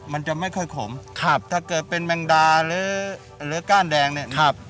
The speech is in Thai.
มันจะไม่ค่อยขมครับถ้าเกิดเป็นแมงดาหรือก้านแดงเนี่ยครับ